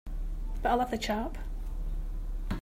But a lovely chap!